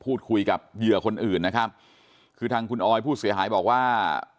พูดคุยกับเหยื่อคนอื่นนะครับคือทางคุณออยผู้เสียหายบอกว่า